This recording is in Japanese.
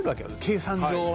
計算上は」